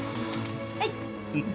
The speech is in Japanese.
はい。